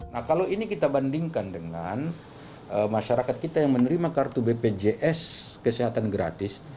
nah kalau ini kita bandingkan dengan masyarakat kita yang menerima kartu bpjs kesehatan gratis